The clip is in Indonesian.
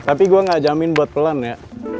tapi gue gak jamin buat pelan ya